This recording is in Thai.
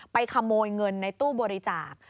ขโมยเงินในตู้บริจาค